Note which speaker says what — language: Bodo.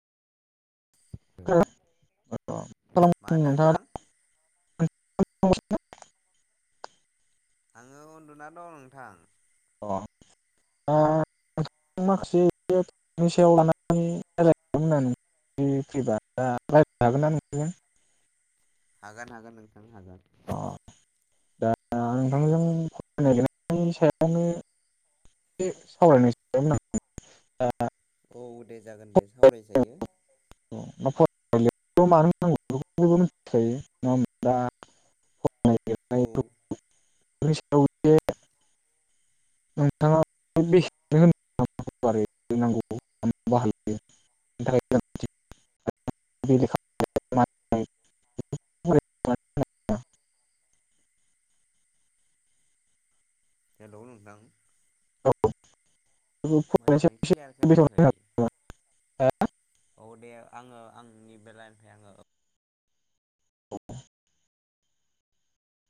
Speaker 1: [inaudible]
Speaker 2: मा होनदों
Speaker 1: नोंथाङा
Speaker 2: नोंथां
Speaker 1: [inaudible]
Speaker 2: आङो उन्दुना दं नोंथां।
Speaker 1: अ दा नोंथाङा माखासे [unintelligible] सायाव लानानै राय [unintelligible] फैबा दा रायलायनो हागोन ना नोंथांजों?
Speaker 2: हागोन हागोन नोंथां हागोन।
Speaker 1: अ दा नोंथांजों फरायनायनि सायावनो [unintelligible] सावरायनो [unintelligible] दोंमोन‌ आं दा
Speaker 2: औ दे जागोन दे सावरायजायो।
Speaker 1: फलि [unintelligible] मानो होनांगौ बेखौ बयबो मिथिखायो [unintelligible] दा
Speaker 2: औ।
Speaker 1: बेफोरनि [unintelligible] नोंथाङा बेसे [unintelligible] [inaudible]
Speaker 2: हेलौ नोंथां।
Speaker 1: अ
Speaker 2: मोजाङै क्लियार खोनायाखै।
Speaker 1: बेसेबां
Speaker 2: औ दे आङो आंनि बेलानिफ्राय आङो ओ